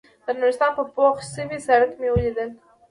د نورستان په پوخ شوي سړک مې وليدل.